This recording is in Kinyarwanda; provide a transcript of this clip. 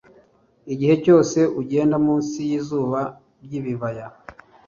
Igihe cyose ugenda munsi yizuba ryibibaya